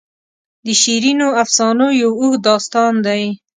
د شیرینو افسانو یو اوږد داستان دی.